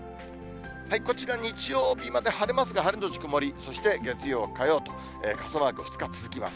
こちら、日曜日まで晴れますが、晴れ後曇り、そして月曜、火曜と、傘マーク、２日続きます。